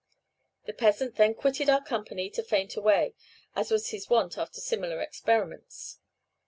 The peasant then quitted our company to faint away, as was his wont after similar experiments.